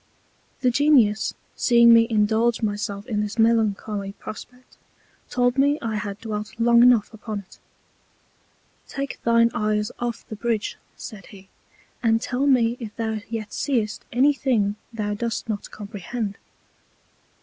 The Genius seeing me indulge my self in this melancholy Prospect, told me I had dwelt long enough upon it: Take thine Eyes off the Bridge, said he, and tell me if thou yet seest any thing thou dost not comprehend.